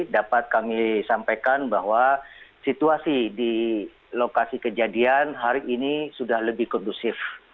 dapat kami sampaikan bahwa situasi di lokasi kejadian hari ini sudah lebih kondusif